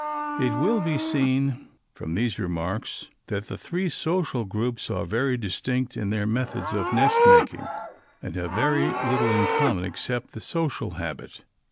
It will be seen from these remarks that the three social groups are very distinct in their methods of nest making, and have really very little in common except the social habit.